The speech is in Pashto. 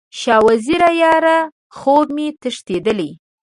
شاه وزیره یاره، خوب مې تښتیدلی